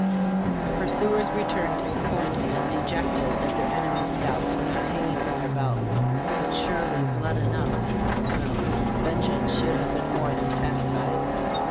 The pursuers returned disappointed and dejected that their enemies' scalps were not hang ing from their belts. But surely blood enough had been spilled vengeance should have been more than satisfied.